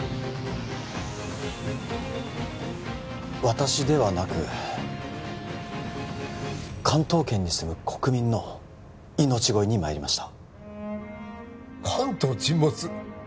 私ではなく関東圏に住む国民の命乞いにまいりました関東沈没